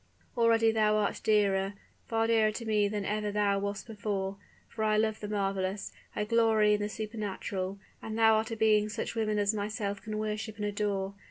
Already thou art dearer, far dearer to me than ever thou wast before; for I love the marvelous I glory in the supernatural and thou art a being whom such women as myself can worship and adore.